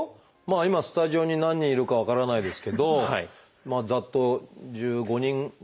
今スタジオに何人いるか分からないですけどざっと１５人ぐらいいるんですかね。